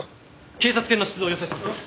警察犬の出動を要請します。